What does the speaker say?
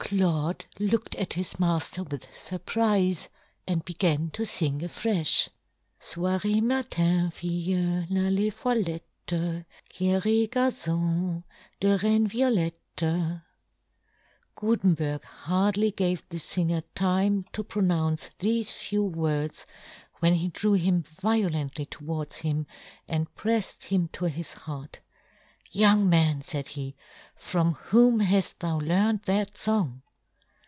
Claude looked at his mafter with furprife, and began to fing afrefh —" So'ir et matin, filles, n'allezfollettes " ^ierre es gazons derraines violettes." Gutenberg hardly gave the finger time to pronounce thefe few words when he drew him violently towards him, and prefTed him to his heart. " Young man," faid he, "from whom " haft thou learnt that fong